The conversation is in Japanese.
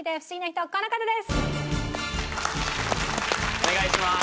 お願いします。